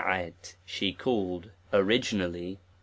'^'^ she called, originally.